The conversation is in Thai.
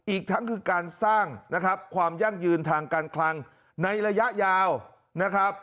อีกทั้งคือการสร้างนะครับความยั่งยืนทางการคลังในระยะยาวนะครับ